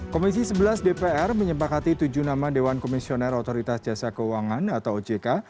komisi sebelas dpr menyempakati tujuh nama dewan komisioner otoritas jasa keuangan atau ojk